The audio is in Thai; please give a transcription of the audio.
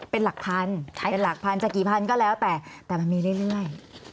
เป็นหลักพันจะกี่พันก็แล้วแต่แต่มันมีเรื่อย